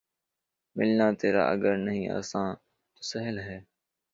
ملنا تیرا اگر نہیں آساں‘ تو سہل ہے